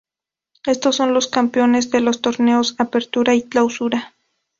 Estos son los campeones de los Torneos Apertura y Clausura.